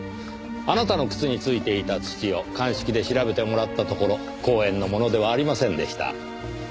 あなたの靴についていた土を鑑識で調べてもらったところ公園のものではありませんでした。